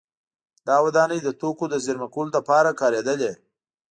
دا ودانۍ د توکو د زېرمه کولو لپاره کارېدلې